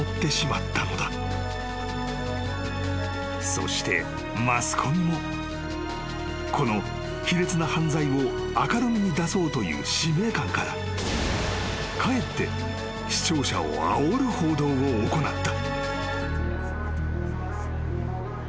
［そしてマスコミもこの卑劣な犯罪を明るみに出そうという使命感からかえって視聴者をあおる報道を行った］